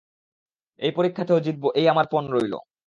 এই পরীক্ষাতেও জিতব এই আমার পণ রইল।